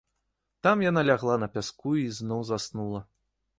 Там яна лягла на пяску і зноў заснула.